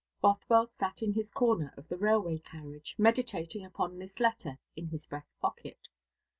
Bothwell sat in his corner of the railway carriage, meditating upon this letter in his breast pocket.